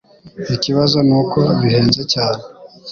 Ikibazo nuko bihenze cyane.